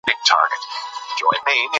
دا موضوع تر اوسه مجهوله نه ده پاتې.